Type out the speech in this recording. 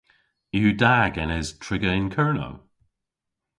Yw da genes triga yn Kernow?